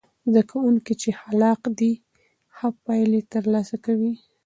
زده کوونکي چې خلاق دي، ښه پایلې ترلاسه کوي.